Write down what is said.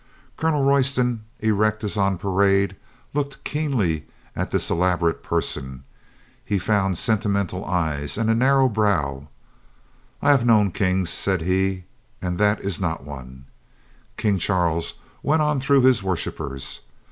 Colonel Roy ston, erect as on parade, looked keenly at this elab orate person ; he found sentimental eyes and a narrow brow. "I have known kings," said he, "and COLONEL STOW MAKES A MISTAKE 105 that is not one." King Charles went on through his worshipers.